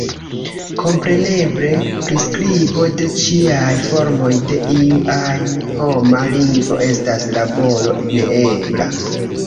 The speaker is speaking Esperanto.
Kompreneble, priskribo de ĉiaj formoj de iu ajn homa lingvo estas laboro neebla.